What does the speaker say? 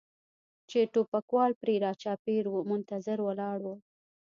چې ټوپکوال پرې را چاپېر و منتظر ولاړ و.